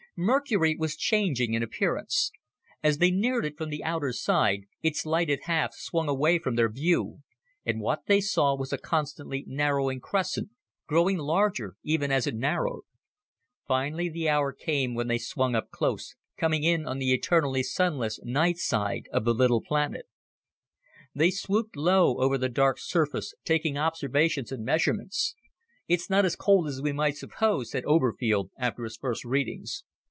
Mercury was changing in appearance. As they neared it from the outer side, its lighted half swung away from their view, and what they saw was a constantly narrowing crescent, growing larger even as it narrowed. Finally the hour came when they swung up close, coming in on the eternally sunless, night side of the little planet. They swooped low over the dark surface, taking observations and measurements. "It's not as cold as we might suppose," said Oberfield after his first readings.